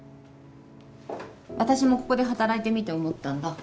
私もここで働いてみて思ったんだ。